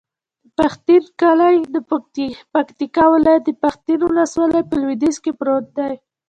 د پښتین کلی د پکتیکا ولایت، پښتین ولسوالي په لویدیځ کې پروت دی.